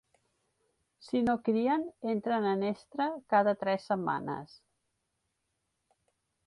Si no crien, entren en estre cada tres setmanes.